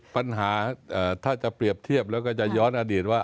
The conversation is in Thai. ปัญหาถ้าจะเปรียบเทียบแล้วก็จะย้อนอดีตว่า